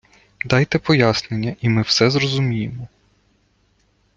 Дайте пояснення і ми все зрозуміємо!